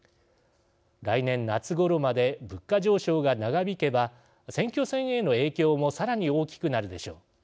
来年夏ごろまで物価上昇が長引けば選挙戦への影響もさらに大きくなるでしょう。